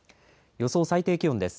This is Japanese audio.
予想最低気温です。